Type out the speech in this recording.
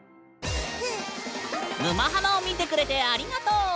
「沼ハマ」を見てくれてありがとう！